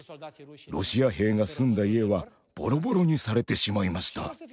ロシア兵が住んだ家はボロボロにされてしまいました。